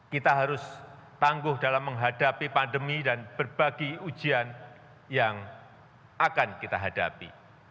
kita harus tangguh dalam menghadapi pandemi dan berbagi ujian yang akan kita hadapi